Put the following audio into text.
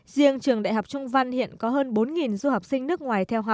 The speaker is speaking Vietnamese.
riêng trường đại học trung văn hiện có hơn bốn du học sinh nước ngoài